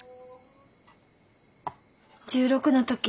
１６の時。